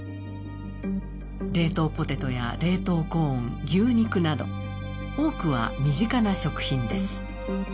冷凍ポテトや冷凍コーン、牛肉など多くは身近な食品です。